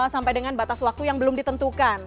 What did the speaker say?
sampai dengan batas waktu yang belum ditentukan